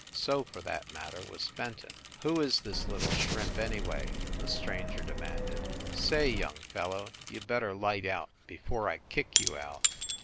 So, for that matter, was Fenton. "Who is this little shrimp, anyway ?" the stranger demanded. "Say, young fellow, you better light out before I kick you out."